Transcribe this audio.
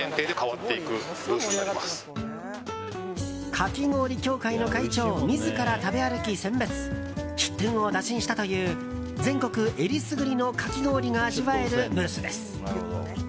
かき氷協会の会長自ら食べ歩き選別出店を打診したという全国選りすぐりのかき氷が味わえるブースです。